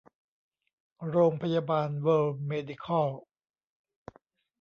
โรงพยาบาลเวิลด์เมดิคอล